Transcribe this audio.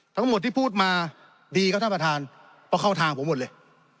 ทั้งหมดที่พูดมาดีครับท่านประธานเพราะเข้าทางผมหมดเลย